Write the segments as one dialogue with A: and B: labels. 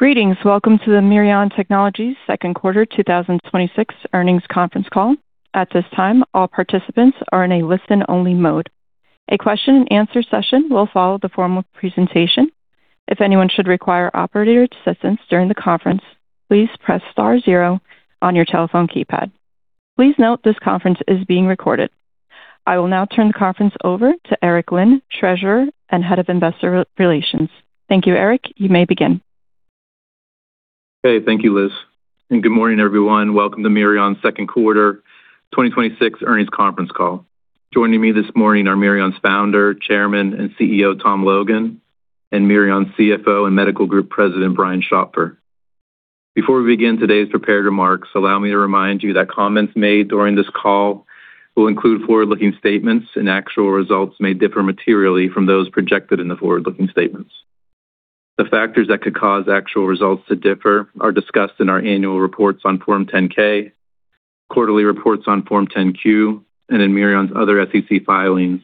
A: Greetings. Welcome to the Mirion Technologies second quarter 2026 earnings conference call. At this time, all participants are in a listen-only mode. A question-and-answer session will follow the formal presentation. If anyone should require operator assistance during the conference, please press star zero on your telephone keypad. Please note this conference is being recorded. I will now turn the conference over to Eric Linn, Treasurer and Head of Investor Relations. Thank you, Eric. You may begin.
B: Hey. Thank you, Liz, and good morning, everyone. Welcome to Mirion's second quarter 2026 earnings conference call. Joining me this morning are Mirion's Founder, Chairman, and CEO, Tom Logan, and Mirion's CFO and Medical Group President, Brian Schopfer. Before we begin today's prepared remarks, allow me to remind you that comments made during this call will include forward-looking statements. Actual results may differ materially from those projected in the forward-looking statements. The factors that could cause actual results to differ are discussed in our annual reports on Form 10-K, quarterly reports on Form 10-Q, and in Mirion's other SEC filings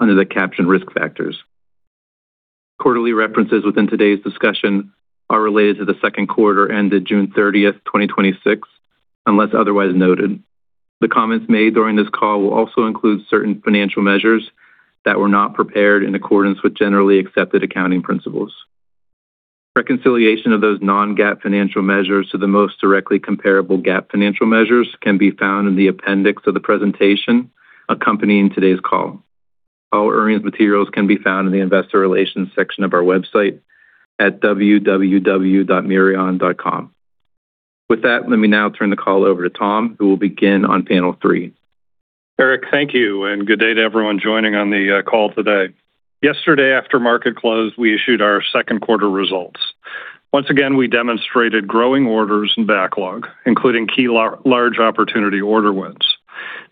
B: under the caption Risk Factors. Quarterly references within today's discussion are related to the second quarter ended June 30th, 2026, unless otherwise noted. The comments made during this call will also include certain financial measures that were not prepared in accordance with generally accepted accounting principles. Reconciliation of those non-GAAP financial measures to the most directly comparable GAAP financial measures can be found in the appendix of the presentation accompanying today's call. All earnings materials can be found in the investor relations section of our website at www.mirion.com. With that, let me now turn the call over to Tom, who will begin on panel three.
C: Eric, thank you. Good day to everyone joining on the call today. Yesterday, after market close, we issued our second quarter results. Once again, we demonstrated growing orders and backlog, including key large opportunity order wins.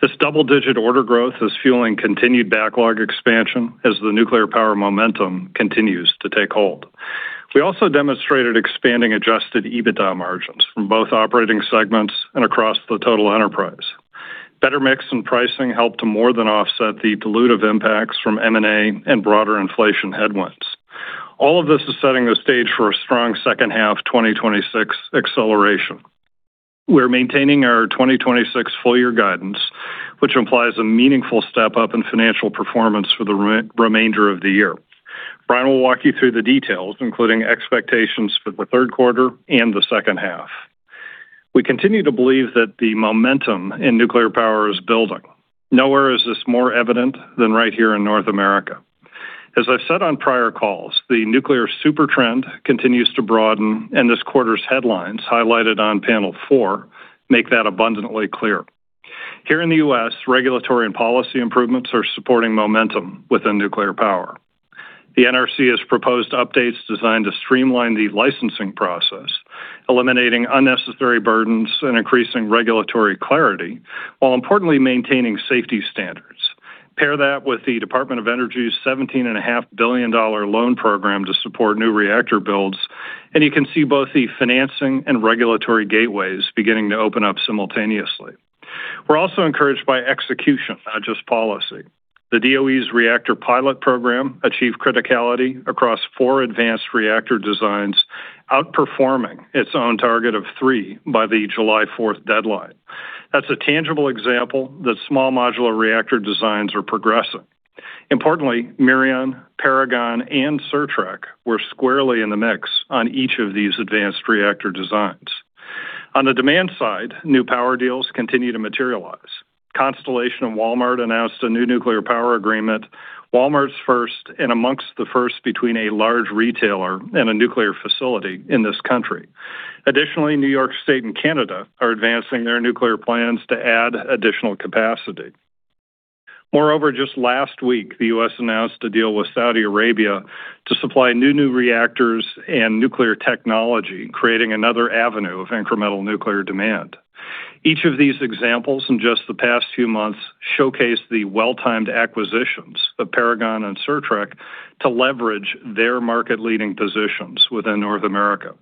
C: This double-digit order growth is fueling continued backlog expansion as the nuclear power momentum continues to take hold. We also demonstrated expanding adjusted EBITDA margins from both operating segments and across the total enterprise. Better mix and pricing helped to more than offset the dilutive impacts from M&A and broader inflation headwinds. All of this is setting the stage for a strong second half 2026 acceleration. We're maintaining our 2026 full-year guidance, which implies a meaningful step-up in financial performance for the remainder of the year. Brian will walk you through the details, including expectations for the third quarter and the second half. We continue to believe that the momentum in nuclear power is building. Nowhere is this more evident than right here in North America. As I've said on prior calls, the nuclear super trend continues to broaden, and this quarter's headlines, highlighted on panel four, make that abundantly clear. Here in the U.S., regulatory and policy improvements are supporting momentum within nuclear power. The NRC has proposed updates designed to streamline the licensing process, eliminating unnecessary burdens and increasing regulatory clarity, while importantly maintaining safety standards. Pair that with the Department of Energy's $17.5 billion loan program to support new reactor builds, and you can see both the financing and regulatory gateways beginning to open up simultaneously. We're also encouraged by execution, not just policy. The DOE's reactor pilot program achieved criticality across four advanced reactor designs, outperforming its own target of three by the July 4th deadline. That's a tangible example that small modular reactor designs are progressing. Importantly, Mirion, Paragon, and Certrec were squarely in the mix on each of these advanced reactor designs. On the demand side, new power deals continue to materialize. Constellation and Walmart announced a new nuclear power agreement, Walmart's first, and amongst the first between a large retailer and a nuclear facility in this country. Additionally, New York State and Canada are advancing their nuclear plans to add additional capacity. Moreover, just last week, the U.S. announced a deal with Saudi Arabia to supply new reactors and nuclear technology, creating another avenue of incremental nuclear demand. Each of these examples in just the past few months showcase the well-timed acquisitions of Paragon and Certrec to leverage their market-leading positions within North America.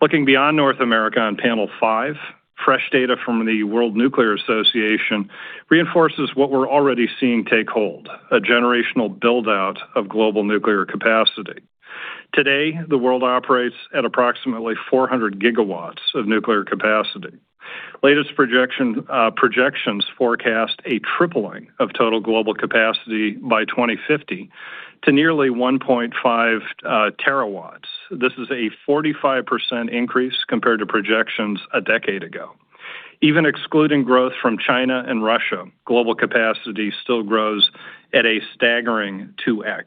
C: Looking beyond North America on panel five, fresh data from the World Nuclear Association reinforces what we're already seeing take hold, a generational build-out of global nuclear capacity. Today, the world operates at approximately 400 gigawatts of nuclear capacity. Latest projections forecast a tripling of total global capacity by 2050 to nearly 1.5 terawatts. This is a 45% increase compared to projections a decade ago. Even excluding growth from China and Russia, global capacity still grows at a staggering 2x.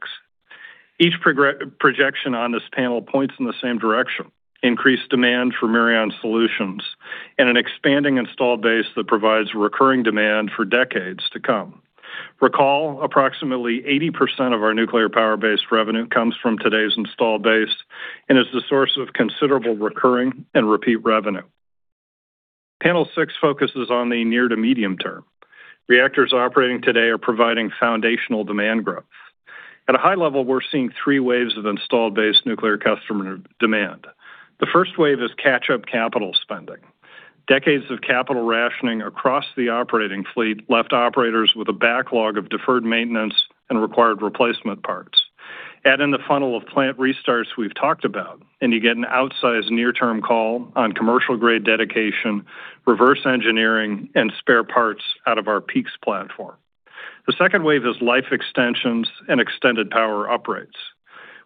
C: Each projection on this panel points in the same direction, increased demand for Mirion solutions and an expanding installed base that provides recurring demand for decades to come. Recall, approximately 80% of our nuclear power-based revenue comes from today's installed base and is the source of considerable recurring and repeat revenue. Panel six focuses on the near to medium-term. Reactors operating today are providing foundational demand growth. At a high level, we're seeing three waves of installed base nuclear customer demand. The first wave is catch-up capital spending. Decades of capital rationing across the operating fleet left operators with a backlog of deferred maintenance and required replacement parts. Add in the funnel of plant restarts we've talked about, and you get an outsized near-term call on commercial-grade dedication, reverse engineering, and spare parts out of our Paragon platform. The second wave is life extensions and extended power upgrades.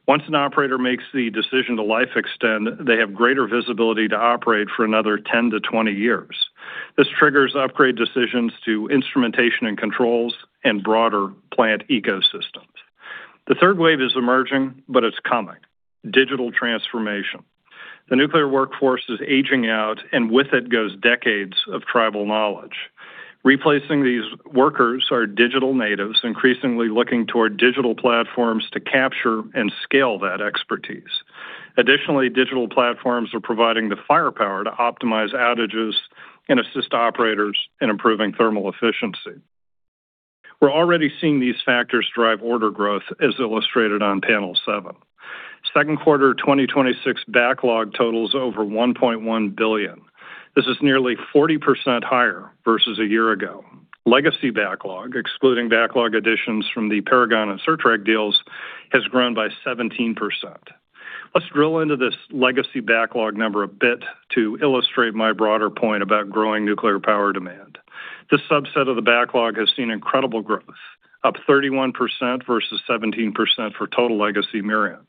C: Once an operator makes the decision to life extend, they have greater visibility to operate for another 10 to 20 years. This triggers upgrade decisions to instrumentation and controls and broader plant ecosystems. The third wave is emerging, but it's coming. Digital transformation. The nuclear workforce is aging out, and with it goes decades of tribal knowledge. Replacing these workers are digital natives increasingly looking toward digital platforms to capture and scale that expertise. Additionally, digital platforms are providing the firepower to optimize outages and assist operators in improving thermal efficiency. We're already seeing these factors drive order growth, as illustrated on panel seven. Second quarter 2026 backlog totals over $1.1 billion. This is nearly 40% higher versus a year ago. Legacy backlog, excluding backlog additions from the Paragon and Certrec deals, has grown by 17%. Let's drill into this legacy backlog number a bit to illustrate my broader point about growing nuclear power demand. This subset of the backlog has seen incredible growth, up 31% versus 17% for total legacy Mirion.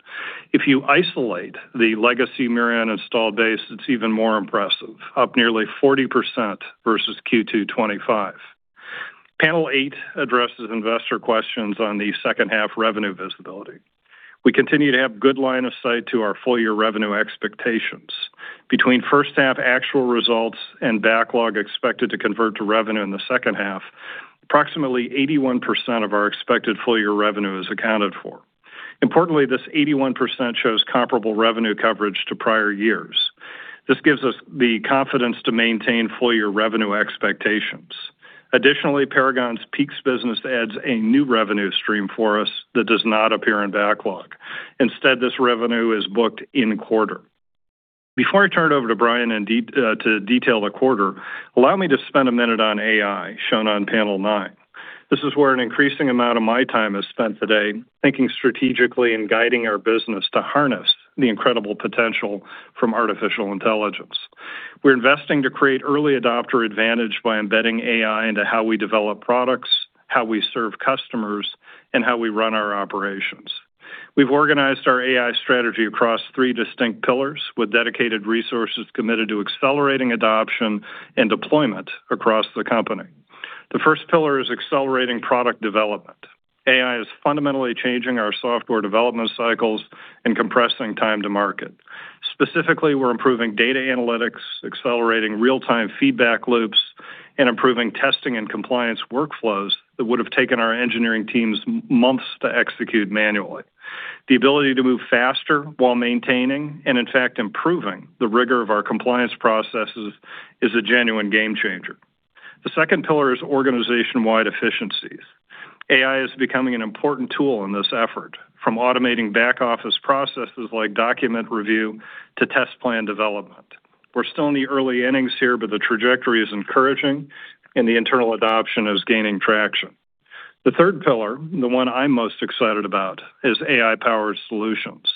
C: If you isolate the legacy Mirion installed base, it's even more impressive, up nearly 40% versus Q2 2025. Panel eight addresses investor questions on the second half revenue visibility. We continue to have good line of sight to our full-year revenue expectations. Between first half actual results and backlog expected to convert to revenue in the second half, approximately 81% of our expected full-year revenue is accounted for. Importantly, this 81% shows comparable revenue coverage to prior years. This gives us the confidence to maintain full-year revenue expectations. Additionally, Paragon's Peaks business adds a new revenue stream for us that does not appear in backlog. Instead, this revenue is booked in-quarter. Before I turn it over to Brian to detail the quarter, allow me to spend a minute on AI, shown on panel nine. This is where an increasing amount of my time is spent today, thinking strategically and guiding our business to harness the incredible potential from artificial intelligence. We're investing to create early adopter advantage by embedding AI into how we develop products, how we serve customers, and how we run our operations. We've organized our AI strategy across three distinct pillars with dedicated resources committed to accelerating adoption and deployment across the company. The first pillar is accelerating product development. AI is fundamentally changing our software development cycles and compressing time to market. Specifically, we're improving data analytics, accelerating real-time feedback loops, and improving testing and compliance workflows that would have taken our engineering teams months to execute manually. The ability to move faster while maintaining, and in fact, improving the rigor of our compliance processes is a genuine game changer. The second pillar is organization-wide efficiencies. AI is becoming an important tool in this effort, from automating back-office processes like document review to test plan development. We're still in the early innings here, but the trajectory is encouraging, and the internal adoption is gaining traction. The third pillar, the one I'm most excited about, is AI-powered solutions.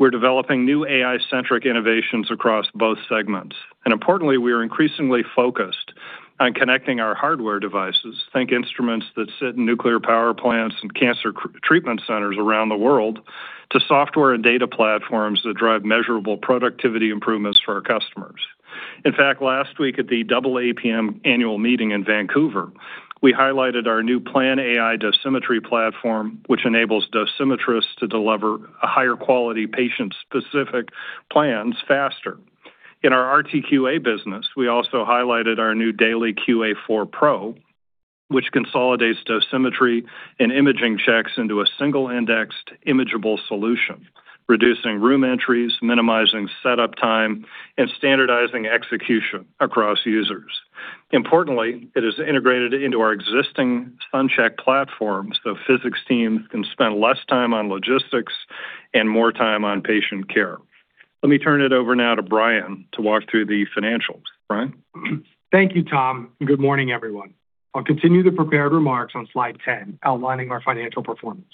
C: We're developing new AI-centric innovations across both segments. Importantly, we are increasingly focused on connecting our hardware devices. Think instruments that sit in nuclear power plants and cancer treatment centers around the world to software and data platforms that drive measurable productivity improvements for our customers. In fact, last week at the AAPM annual meeting in Vancouver, we highlighted our new Plan AI Dosimetry platform, which enables dosimetrists to deliver higher-quality patient-specific plans faster. In our RTQA business, we also highlighted our new Daily QA 4 Pro, which consolidates dosimetry and imaging checks into a single indexed imageable solution, reducing room entries, minimizing setup time, and standardizing execution across users. Importantly, it is integrated into our existing SunCHECK platform so physics teams can spend less time on logistics and more time on patient care. Let me turn it over now to Brian to walk through the financials. Brian?
D: Thank you, Tom. Good morning, everyone. I'll continue the prepared remarks on slide 10, outlining our financial performance.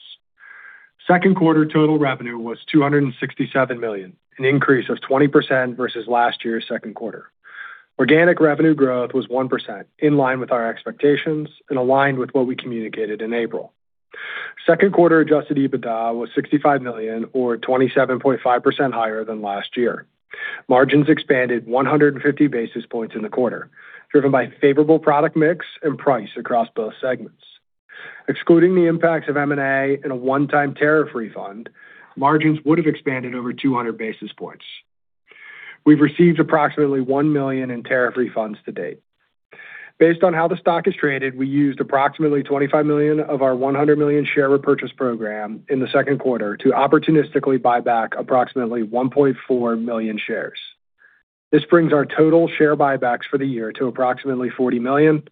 D: Second quarter total revenue was $267 million, an increase of 20% versus last year's second quarter. Organic revenue growth was 1%, in line with our expectations and aligned with what we communicated in April. Second quarter adjusted EBITDA was $65 million or 27.5% higher than last year. Margins expanded 150 basis points in the quarter, driven by favorable product mix and price across both segments. Excluding the impacts of M&A and a one-time tariff refund, margins would have expanded over 200 basis points. We've received approximately $1 million in tariff refunds to date. Based on how the stock is traded, we used approximately $25 million of our $100 million share repurchase program in the second quarter to opportunistically buy back approximately 1.4 million shares. This brings our total share buybacks for the year to approximately $40 million,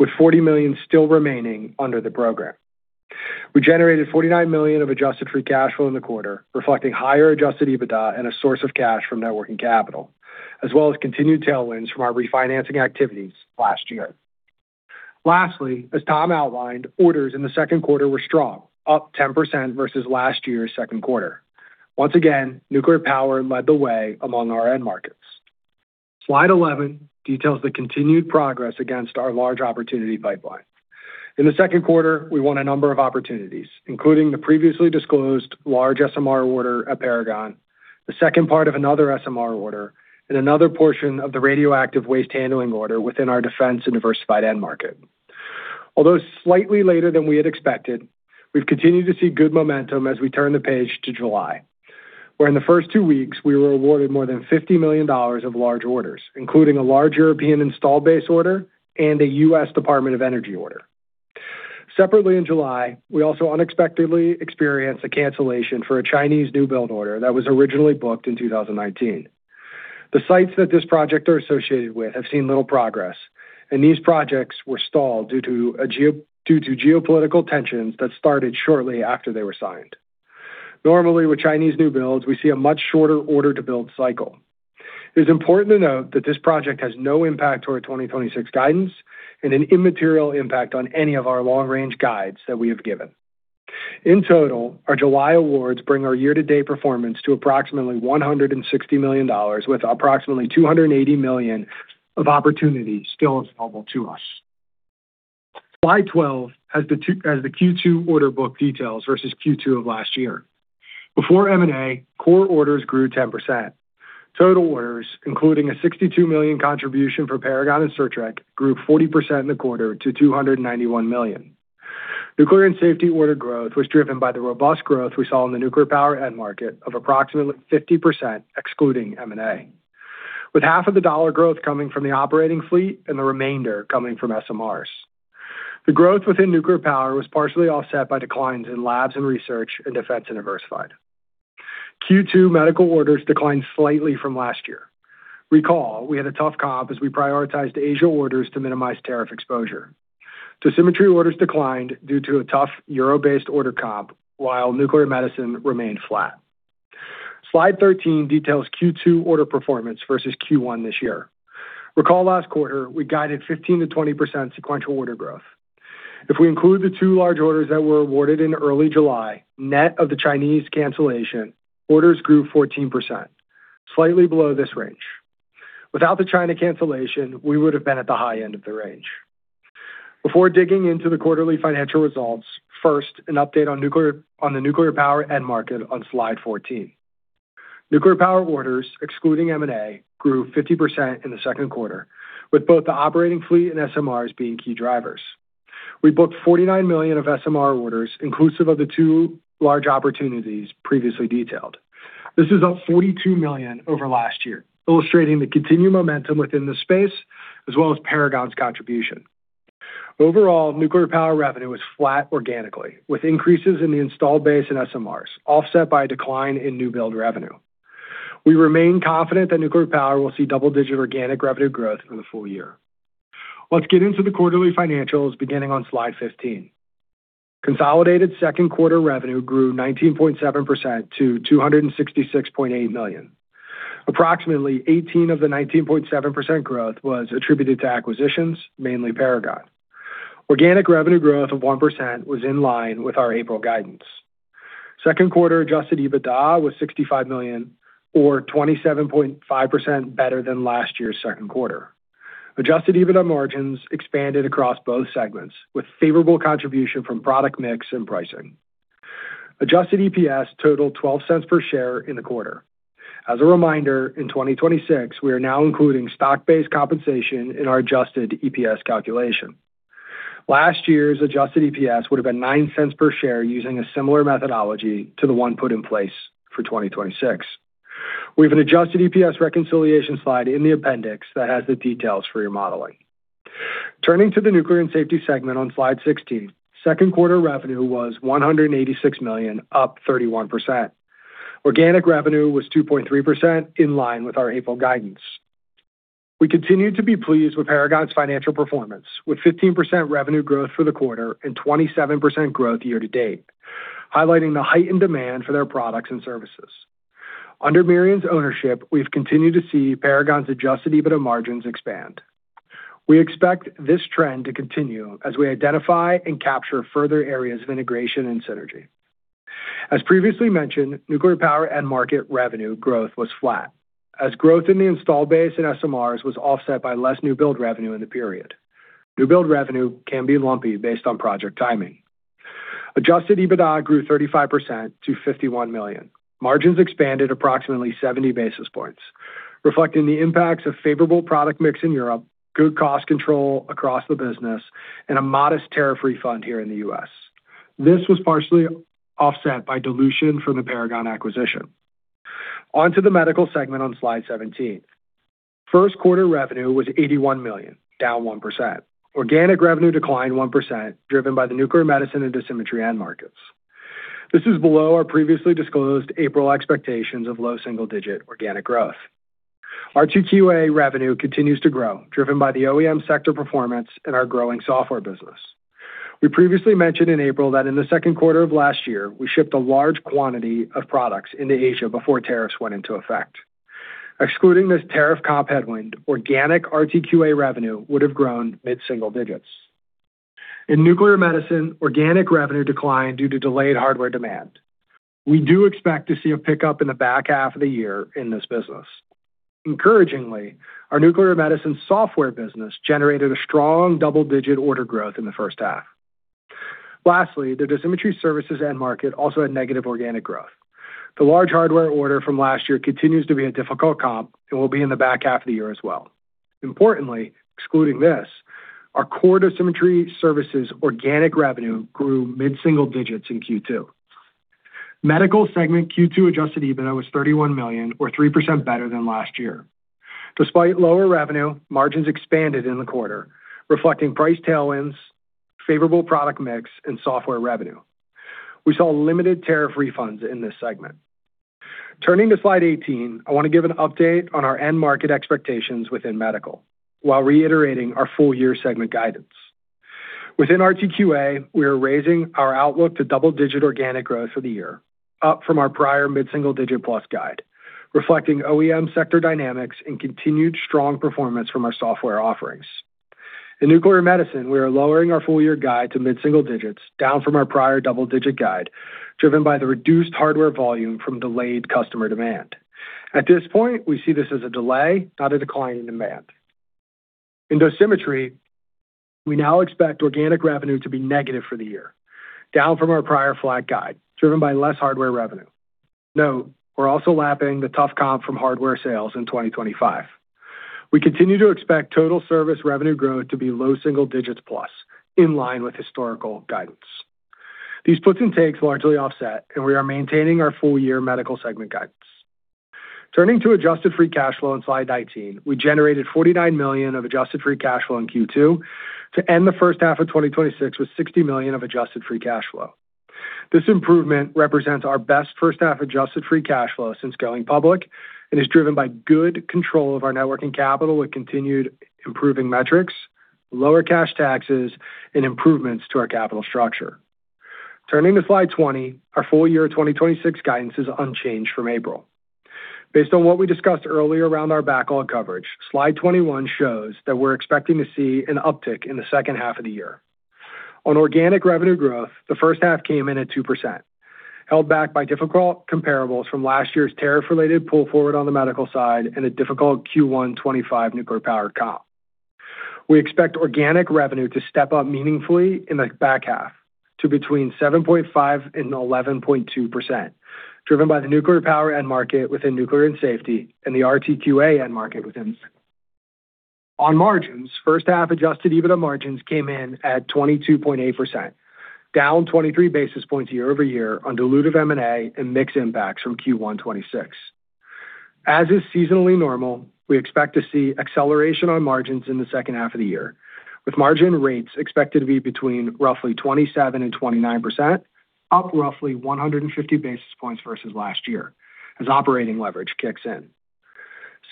D: with $40 million still remaining under the program. We generated $49 million of adjusted free cash flow in the quarter, reflecting higher adjusted EBITDA and a source of cash from net working capital, as well as continued tailwinds from our refinancing activities last year. Lastly, as Tom outlined, orders in the second quarter were strong, up 10% versus last year's second quarter. Slide 11 details the continued progress against our large opportunity pipeline. In the second quarter, we won a number of opportunities, including the previously disclosed large SMR order at Paragon, the second part of another SMR order, another portion of the radioactive waste handling order within our defense and diversified end market. Slightly later than we had expected, we've continued to see good momentum as we turn the page to July, where in the first two weeks, we were awarded more than $50 million of large orders, including a large European installed base order and a U.S. Department of Energy order. In July, we also unexpectedly experienced a cancellation for a Chinese new build order that was originally booked in 2019. The sites that this project are associated with have seen little progress. These projects were stalled due to geopolitical tensions that started shortly after they were signed. Normally, with Chinese new builds, we see a much shorter order-to-build cycle. It is important to note that this project has no impact to our 2026 guidance and an immaterial impact on any of our long-range guides that we have given. In total, our July awards bring our year-to-date performance to approximately $160 million, with approximately $280 million of opportunities still available to us. Slide 12 has the Q2 order book details versus Q2 of last year. Before M&A, core orders grew 10%. Total orders, including a $62 million contribution for Paragon and Certrec, grew 40% in the quarter to $291 million. Nuclear and safety order growth was driven by the robust growth we saw in the nuclear power end market of approximately 50%, excluding M&A, with half of the dollar growth coming from the operating fleet and the remainder coming from SMRs. The growth within nuclear power was partially offset by declines in labs and research and defense and diversified. Q2 medical orders declined slightly from last year. Recall, we had a tough comp as we prioritized Asia orders to minimize tariff exposure. Dosimetry orders declined due to a tough EUR-based order comp, while nuclear medicine remained flat. Slide 13 details Q2 order performance versus Q1 this year. Recall last quarter, we guided 15%-20% sequential order growth. If we include the two large orders that were awarded in early July, net of the Chinese cancellation, orders grew 14%, slightly below this range. Without the China cancellation, we would have been at the high end of the range. Before digging into the quarterly financial results, first, an update on the nuclear power end market on slide 14. Nuclear power orders, excluding M&A, grew 50% in the second quarter, with both the operating fleet and SMRs being key drivers. We booked $49 million of SMR orders, inclusive of the two large opportunities previously detailed. This is up $42 million over last year, illustrating the continued momentum within the space, as well as Paragon's contribution. Overall, nuclear power revenue was flat organically, with increases in the installed base and SMRs, offset by a decline in new build revenue. We remain confident that nuclear power will see double-digit organic revenue growth for the full year. Let's get into the quarterly financials beginning on slide 15. Consolidated second quarter revenue grew 19.7% to $266.8 million. Approximately 18 of the 19.7% growth was attributed to acquisitions, mainly Paragon. Organic revenue growth of 1% was in line with our April guidance. Second quarter adjusted EBITDA was $65 million or 27.5% better than last year's second quarter. Adjusted EBITDA margins expanded across both segments, with favorable contribution from product mix and pricing. Adjusted EPS totaled $0.12 per share in the quarter. As a reminder, in 2026, we are now including stock-based compensation in our Adjusted EPS calculation. Last year's adjusted EPS would have been $0.09 per share using a similar methodology to the one put in place for 2026. We have an Adjusted EPS reconciliation slide in the appendix that has the details for your modeling. Turning to the nuclear and safety segment on slide 16, second quarter revenue was $186 million, up 31%. Organic revenue was 2.3% in line with our April guidance. We continue to be pleased with Paragon's financial performance, with 15% revenue growth for the quarter and 27% growth year-to-date, highlighting the heightened demand for their products and services. Under Mirion's ownership, we've continued to see Paragon's Adjusted EBITDA margins expand. We expect this trend to continue as we identify and capture further areas of integration and synergy. As previously mentioned, nuclear power end market revenue growth was flat as growth in the installed base in SMRs was offset by less new build revenue in the period. New build revenue can be lumpy based on project timing. Adjusted EBITDA grew 35% to $51 million. Margins expanded approximately 70 basis points, reflecting the impacts of favorable product mix in Europe, good cost control across the business, and a modest tariff refund here in the U.S. This was partially offset by dilution from the Paragon acquisition. On to the medical segment on slide 17. First quarter revenue was $81 million, down 1%. Organic revenue declined 1%, driven by the nuclear medicine and dosimetry end markets. This is below our previously disclosed April expectations of low single-digit organic growth. RTQA revenue continues to grow, driven by the OEM sector performance and our growing software business. We previously mentioned in April that in the second quarter of last year, we shipped a large quantity of products into Asia before tariffs went into effect. Excluding this tariff comp headwind, organic RTQA revenue would have grown mid-single digits. In nuclear medicine, organic revenue declined due to delayed hardware demand. We do expect to see a pickup in the back half of the year in this business. Encouragingly, our nuclear medicine software business generated a strong double-digit order growth in the first half. Lastly, the dosimetry services end market also had negative organic growth. The large hardware order from last year continues to be a difficult comp and will be in the back half of the year as well. Importantly, excluding this, our core dosimetry services organic revenue grew mid-single digits in Q2. Medical segment Q2 Adjusted EBITDA was $31 million, or 3% better than last year. Despite lower revenue, margins expanded in the quarter, reflecting price tailwinds, favorable product mix, and software revenue. We saw limited tariff refunds in this segment. Turning to slide 18, I want to give an update on our end market expectations within medical, while reiterating our full year segment guidance. Within RTQA, we are raising our outlook to double-digit organic growth for the year, up from our prior mid-single digit plus guide, reflecting OEM sector dynamics and continued strong performance from our software offerings. In nuclear medicine, we are lowering our full year guide to mid-single digits, down from our prior double-digit guide, driven by the reduced hardware volume from delayed customer demand. At this point, we see this as a delay, not a decline in demand. In dosimetry, we now expect organic revenue to be negative for the year, down from our prior flat guide, driven by less hardware revenue. Note, we're also lapping the tough comp from hardware sales in 2025. We continue to expect total service revenue growth to be low single digits plus, in line with historical guidance. These puts and takes largely offset, and we are maintaining our full year medical segment guidance. Turning to adjusted free cash flow on slide 19. We generated $49 million of adjusted free cash flow in Q2 to end the first half of 2026 with $60 million of adjusted free cash flow. This improvement represents our best first half adjusted free cash flow since going public and is driven by good control of our net working capital with continued improving metrics, lower cash taxes, and improvements to our capital structure. Turning to slide 20, our full year 2026 guidance is unchanged from April. Based on what we discussed earlier around our backlog coverage, slide 21 shows that we're expecting to see an uptick in the second half of the year. On organic revenue growth, the first half came in at 2%, held back by difficult comparables from last year's tariff related pull forward on the Medical side and a difficult Q1 2025 Nuclear Power comp. We expect organic revenue to step up meaningfully in the back half to between 7.5%-11.2%, driven by the Nuclear and Safety end market within Nuclear and Safety and the RTQA end market within. On margins, first half adjusted EBITDA margins came in at 22.8%, down 23 basis points year-over-year on dilutive M&A and mix impacts from Q1 2026. As is seasonally normal, we expect to see acceleration on margins in the second half of the year, with margin rates expected to be between roughly 27%-29%, up roughly 150 basis points versus last year as operating leverage kicks in.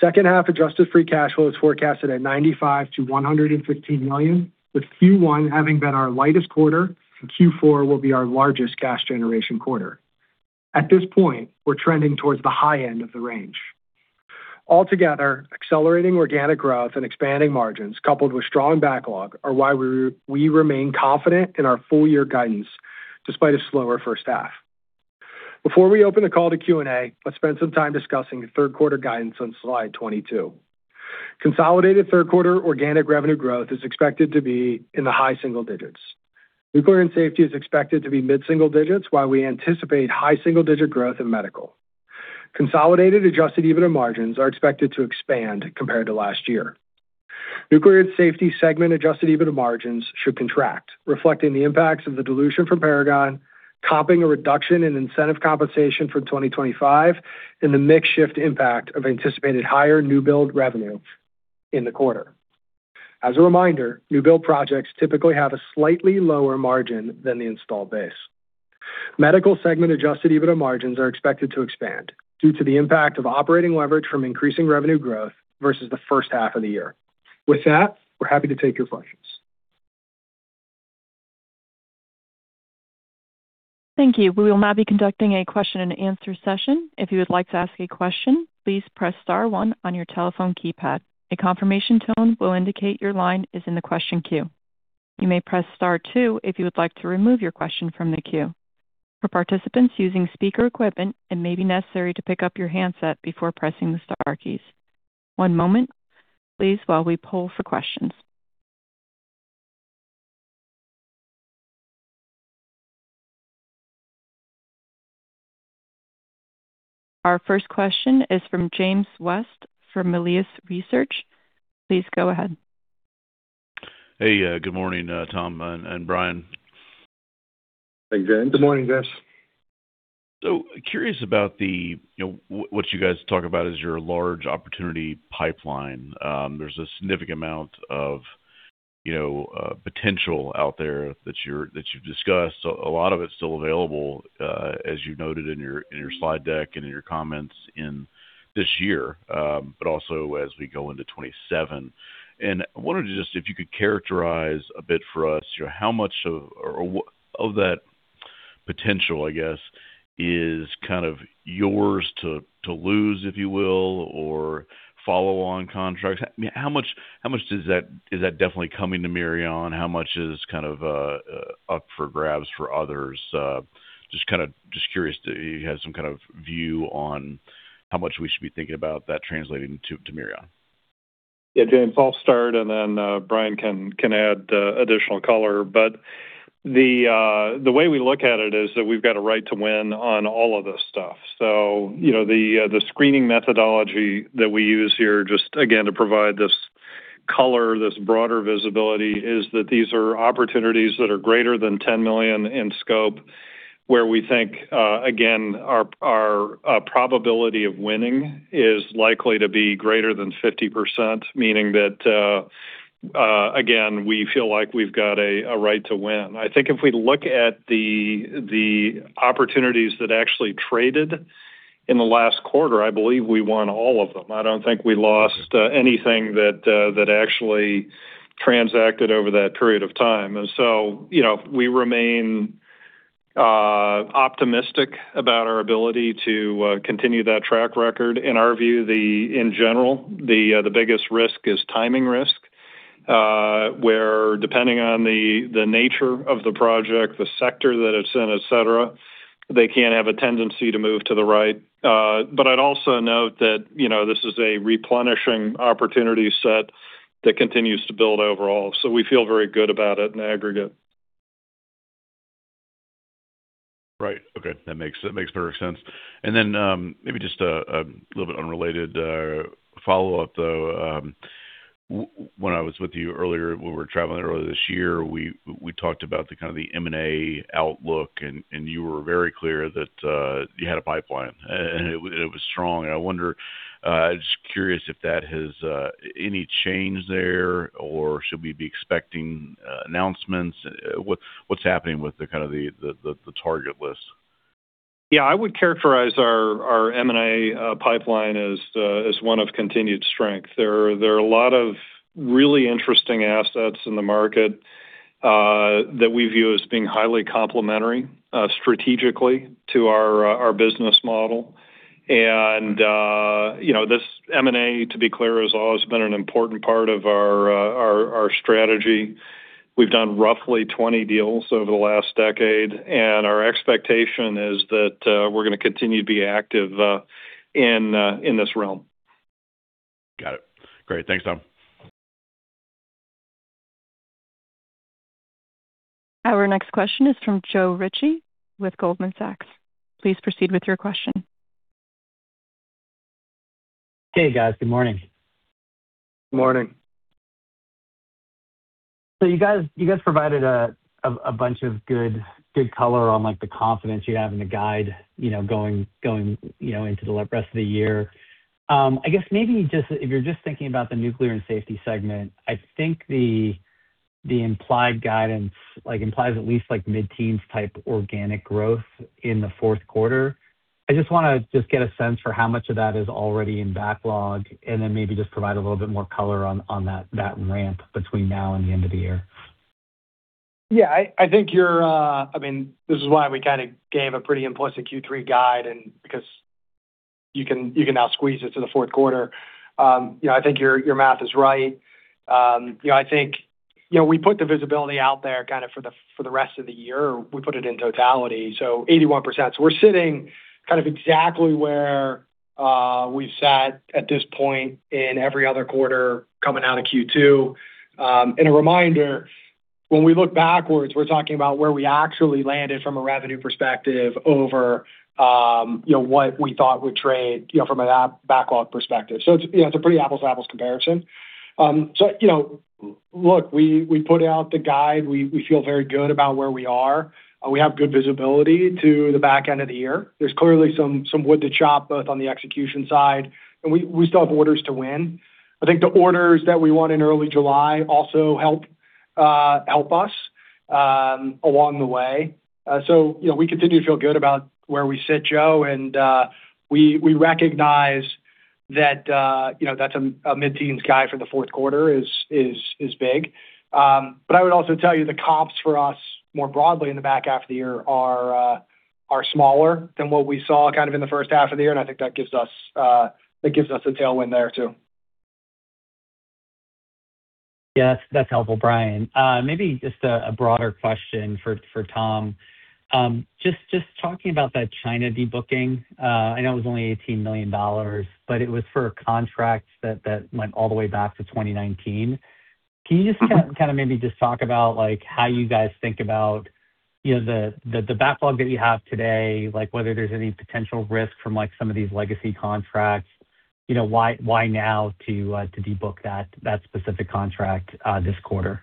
D: Second half adjusted free cash flow is forecasted at $95 million-$115 million, with Q1 having been our lightest quarter, and Q4 will be our largest cash generation quarter. At this point, we're trending towards the high end of the range. Accelerating organic growth and expanding margins, coupled with strong backlog are why we remain confident in our full year guidance despite a slower first half. Before we open the call to Q&A, let's spend some time discussing the third quarter guidance on slide 22. Consolidated third quarter organic revenue growth is expected to be in the high single digits. Nuclear and Safety is expected to be mid-single digits, while we anticipate high single-digit growth in Medical. Consolidated adjusted EBITDA margins are expected to expand compared to last year. Nuclear and Safety segment adjusted EBITDA margins should contract, reflecting the impacts of the dilution from Paragon, comping a reduction in incentive compensation for 2025, and the mix shift impact of anticipated higher new build revenue in the quarter. As a reminder, new build projects typically have a slightly lower margin than the installed base. Medical segment adjusted EBITDA margins are expected to expand due to the impact of operating leverage from increasing revenue growth versus the first half of the year. With that, we're happy to take your questions.
A: Thank you. We will now be conducting a question and answer session. If you would like to ask a question, please press star one on your telephone keypad. A confirmation tone will indicate your line is in the question queue. You may press star two if you would like to remove your question from the queue. For participants using speaker equipment, it may be necessary to pick up your handset before pressing the star keys. One moment please while we poll for questions. Our first question is from James West from Melius Research. Please go ahead.
E: Hey, good morning, Tom and Brian.
D: Thanks. Good morning, James.
E: Curious about what you guys talk about is your large opportunity pipeline. There's a significant amount of potential out there that you've discussed. A lot of it's still available, as you noted in your slide deck and in your comments in this year, but also as we go into 2027. I wanted to just, if you could characterize a bit for us, how much of that potential, I guess, is kind of yours to lose, if you will, or follow on contracts? How much is that definitely coming to Mirion? How much is up for grabs for others? Just curious if you have some kind of view on how much we should be thinking about that translating to Mirion.
C: James, I'll start and then Brian can add additional color. The way we look at it is that we've got a right to win on all of this stuff. The screening methodology that we use here, just again, to provide this color, this broader visibility, is that these are opportunities that are greater than $10 million in scope, where we think, again, our probability of winning is likely to be greater than 50%, meaning that, again, we feel like we've got a right to win. I think if we look at the opportunities that actually traded in the last quarter, I believe we won all of them. I don't think we lost anything that actually transacted over that period of time. We remain optimistic about our ability to continue that track record. In our view, in general, the biggest risk is timing risk, where depending on the nature of the project, the sector that it's in, et cetera, they can have a tendency to move to the right. I'd also note that this is a replenishing opportunity set that continues to build overall. We feel very good about it in aggregate.
E: Right. Okay. That makes perfect sense. Then, maybe just a little bit unrelated follow-up, though. When I was with you earlier, when we were traveling earlier this year, we talked about the M&A outlook, and you were very clear that you had a pipeline, and it was strong. I wonder, I'm just curious if that has any change there, or should we be expecting announcements? What's happening with the target list?
C: I would characterize our M&A pipeline as one of continued strength. There are a lot of really interesting assets in the market that we view as being highly complementary strategically to our business model. This M&A, to be clear, has always been an important part of our strategy. We've done roughly 20 deals over the last decade, our expectation is that we're going to continue to be active in this realm.
E: Got it. Great. Thanks, Tom.
A: Our next question is from Joe Ritchie with Goldman Sachs. Please proceed with your question.
F: Hey, guys. Good morning.
C: Morning.
F: You guys provided a bunch of good color on the confidence you have in the guide going into the rest of the year. I guess maybe if you're just thinking about the Nuclear and Safety segment, I think the implied guidance implies at least mid-teens type organic growth in the fourth quarter. I just want to get a sense for how much of that is already in backlog, and then maybe just provide a little bit more color on that ramp between now and the end of the year.
D: I think this is why we kind of gave a pretty implicit Q3 guide because you can now squeeze it to the fourth quarter. I think your math is right. I think we put the visibility out there kind of for the rest of the year. We put it in totality, 81%. We're sitting kind of exactly where we sat at this point in every other quarter coming out of Q2. A reminder, when we look backwards, we're talking about where we actually landed from a revenue perspective over what we thought would trade from a backlog perspective. It's a pretty apples to apples comparison. We put out the guide. We feel very good about where we are. We have good visibility to the back end of the year. There's clearly some wood to chop, both on the execution side, we still have orders to win. I think the orders that we won in early July also help us along the way. We continue to feel good about where we sit, Joe, we recognize that a mid-teens guide for the fourth quarter is big. I would also tell you the comps for us more broadly in the back half of the year are smaller than what we saw kind of in the first half of the year, I think that gives us a tailwind there, too.
F: That's helpful, Brian. Maybe just a broader question for Tom. Just talking about that China de-booking. I know it was only $18 million, it was for a contract that went all the way back to 2019. Can you just kind of maybe just talk about how you guys think about the backlog that you have today, like whether there's any potential risk from some of these legacy contracts? Why now to de-book that specific contract this quarter?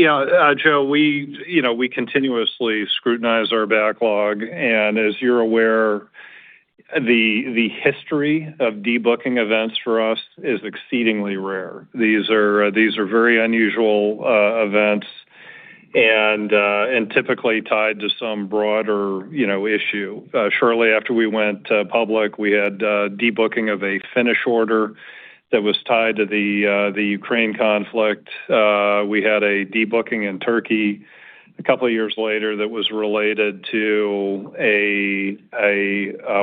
C: Joe, we continuously scrutinize our backlog, as you're aware, the history of de-booking events for us is exceedingly rare. These are very unusual events typically tied to some broader issue. Shortly after we went public, we had de-booking of a Finnish order that was tied to the Ukraine conflict. We had a de-booking in Turkey a couple of years later that was related to a,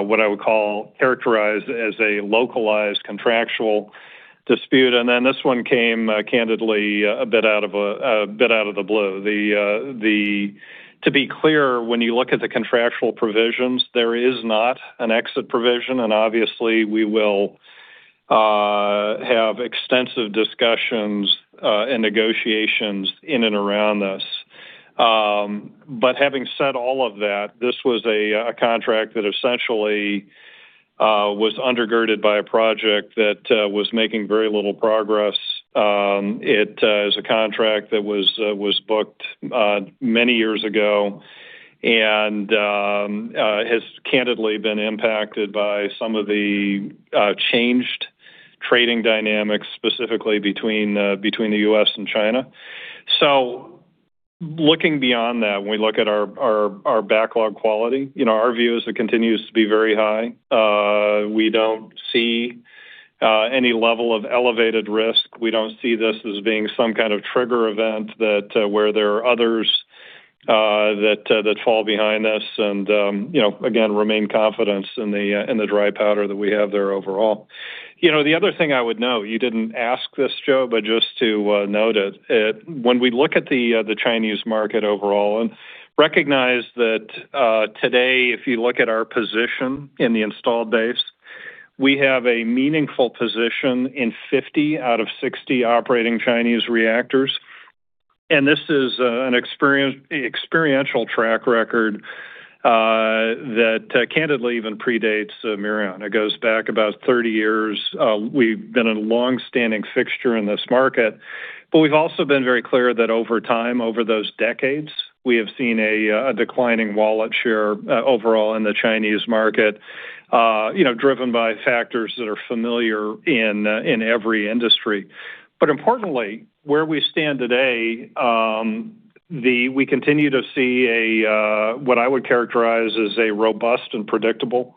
C: what I would call, characterized as a localized contractual dispute. This one came, candidly, a bit out of the blue. To be clear, when you look at the contractual provisions, there is not an exit provision, obviously, we will have extensive discussions and negotiations in and around this. Having said all of that, this was a contract that essentially was undergirded by a project that was making very little progress. It is a contract that was booked many years ago and has candidly been impacted by some of the changed trading dynamics, specifically between the U.S. and China. Looking beyond that, when we look at our backlog quality, our view is it continues to be very high. We don't see any level of elevated risk. We don't see this as being some kind of trigger event where there are others that fall behind us and, again, remain confidence in the dry powder that we have there overall. The other thing I would note, you didn't ask this, Joe, but just to note it, when we look at the Chinese market overall and recognize that today, if you look at our position in the installed base, we have a meaningful position in 50 out of 60 operating Chinese reactors. This is an experiential track record that candidly even predates Mirion. It goes back about 30 years. We've been a longstanding fixture in this market. We've also been very clear that over time, over those decades, we have seen a declining wallet share overall in the Chinese market, driven by factors that are familiar in every industry. Importantly, where we stand today, we continue to see what I would characterize as a robust and predictable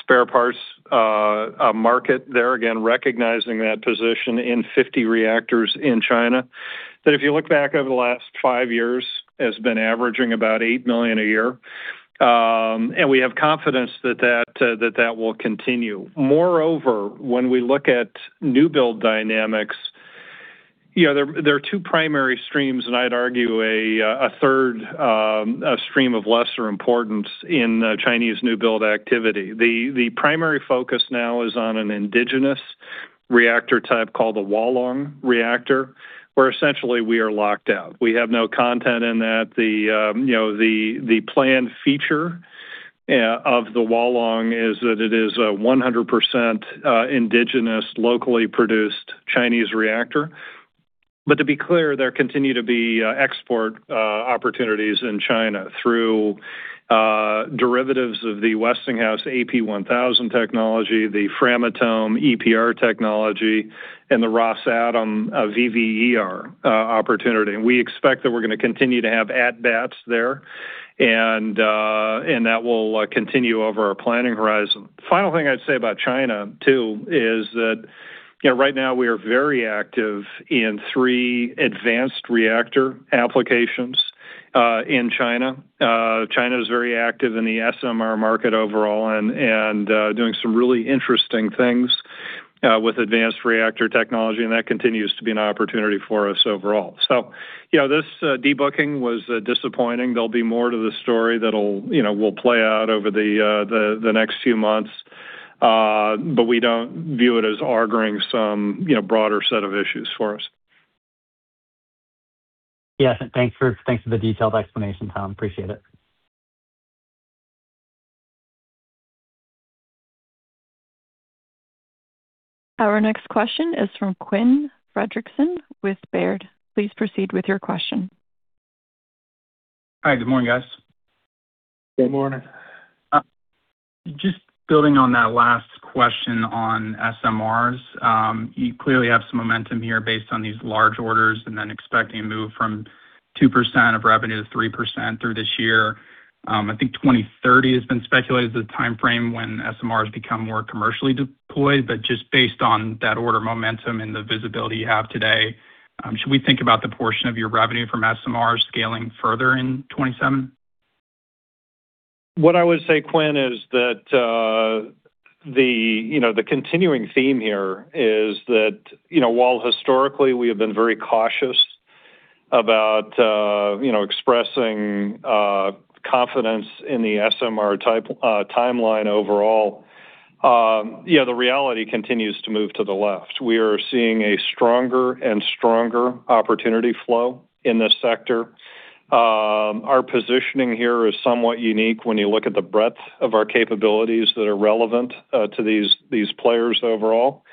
C: spare parts market. There, again, recognizing that position in 50 reactors in China, that if you look back over the last five years, has been averaging about $8 million a year. We have confidence that that will continue. Moreover, when we look at new build dynamics, there are two primary streams, and I'd argue a third stream of lesser importance in Chinese new build activity. The primary focus now is on an indigenous reactor type called the Hualong reactor, where essentially we are locked out. We have no content in that. The planned feature of the Hualong is that it is 100% indigenous, locally produced Chinese reactor. To be clear, there continue to be export opportunities in China through derivatives of the Westinghouse AP1000 technology, the Framatome EPR technology, and the Rosatom VVER opportunity. We expect that we're going to continue to have at-bats there, and that will continue over our planning horizon. Final thing I'd say about China too is that right now we are very active in three advanced reactor applications in China. China is very active in the SMR market overall and doing some really interesting things with advanced reactor technology, and that continues to be an opportunity for us overall. This de-booking was disappointing. There'll be more to the story that will play out over the next few months, but we don't view it as auguring some broader set of issues for us.
F: Yes, thanks for the detailed explanation, Tom. Appreciate it.
A: Our next question is from Quinn Fredrickson with Baird. Please proceed with your question.
G: Hi. Good morning, guys.
C: Good morning.
G: Just building on that last question on SMRs. You clearly have some momentum here based on these large orders and then expecting a move from 2% of revenue to 3% through this year. I think 2030 has been speculated as the timeframe when SMRs become more commercially deployed. Just based on that order momentum and the visibility you have today, should we think about the portion of your revenue from SMRs scaling further in 2027?
C: What I would say, Quinn, is that the continuing theme here is that while historically we have been very cautious about expressing confidence in the SMR timeline overall, the reality continues to move to the left. We are seeing a stronger and stronger opportunity flow in this sector. Our positioning here is somewhat unique when you look at the breadth of our capabilities that are relevant to these players overall.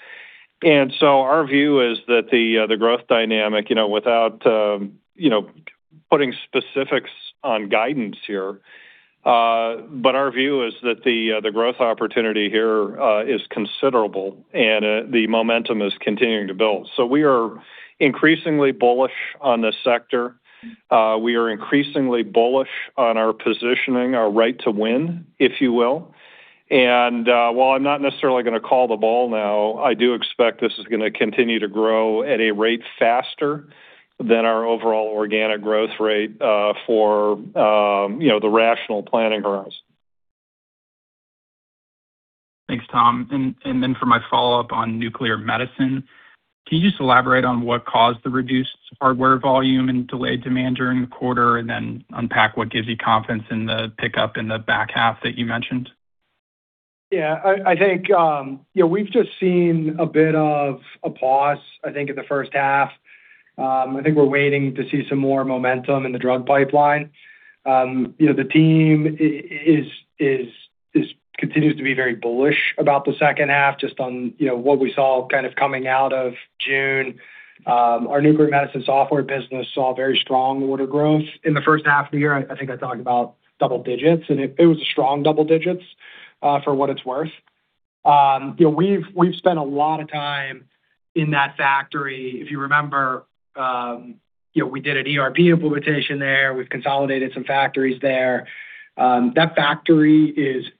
C: Our view is that the growth dynamic, without putting specifics on guidance here, but our view is that the growth opportunity here is considerable, and the momentum is continuing to build. We are increasingly bullish on this sector. We are increasingly bullish on our positioning, our right to win, if you will. While I'm not necessarily going to call the ball now, I do expect this is going to continue to grow at a rate faster than our overall organic growth rate for the rational planning horizon.
G: Thanks, Tom. For my follow-up on nuclear medicine, can you just elaborate on what caused the reduced hardware volume and delayed demand during the quarter, and then unpack what gives you confidence in the pickup in the back half that you mentioned?
D: Yeah. I think we've just seen a bit of a pause, I think, in the first half. I think we're waiting to see some more momentum in the drug pipeline. The team continues to be very bullish about the second half, just on what we saw kind of coming out of June. Our nuclear medicine software business saw very strong order growth in the first half of the year. I think I talked about double digits, and it was a strong double digits, for what it's worth. We've spent a lot of time in that factory. If you remember, we did an ERP implementation there. We've consolidated some factories there. That factory